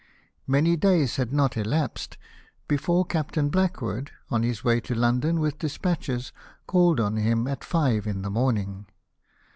Many days had not elapsed before Captain Blackwood, on his way to London with despatches, called on him at five in the morning.